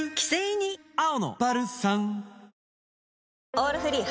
「オールフリー」